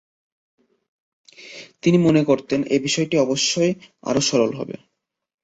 তিনি মনে করতেন এ বিষয়টি অবশ্যই আরো সরল হবে।